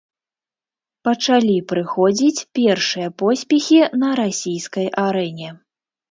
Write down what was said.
Пачалі прыходзіць першыя поспехі на расійскай арэне.